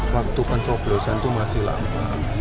waktu pencoblosan itu masih lama